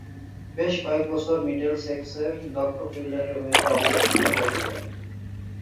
বেশ কয়েকবছর মিডলসেক্সের দক্ষ ফিল্ডারের ভূমিকায় অবতীর্ণ হয়েছিলেন।